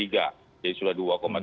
jadi sudah dua tiga